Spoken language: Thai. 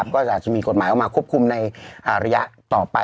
ก็อาจจะมีกฎหมายออกมาควบคุมในระยะต่อไป